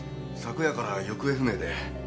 昨夜から行方不明で。